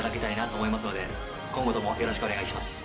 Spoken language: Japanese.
今後ともよろしくお願いします。